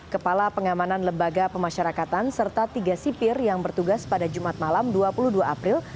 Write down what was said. kepala pengamanan lembaga pemasyarakatan serta tiga sipir yang bertugas pada jumat malam dua puluh dua april